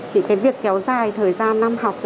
thì cái việc kéo dài thời gian năm học